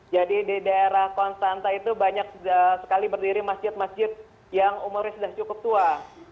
jadi di daerah konstanta itu banyak sekali berdiri masjid masjid yang umurnya sudah cukup tua